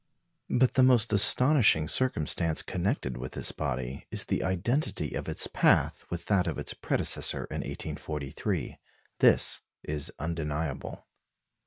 But the most astonishing circumstance connected with this body is the identity of its path with that of its predecessor in 1843. This is undeniable.